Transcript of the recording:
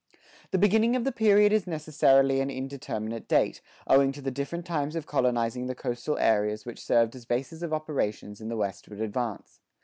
The beginning of the period is necessarily an indeterminate date, owing to the different times of colonizing the coastal areas which served as bases of operations in the westward advance.